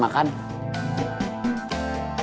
maksudnya lacking serving line